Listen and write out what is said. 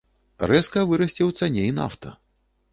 Рэзка вырасце ў цане і нафта.